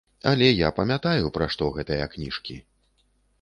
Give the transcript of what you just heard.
Але я памятаю, пра што гэтыя кніжкі.